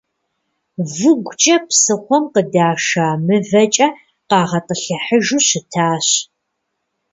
Выгукӏэ псыхъуэм къыдаша мывэкӏэ къагъэтӏылъыхьыжу щытащ.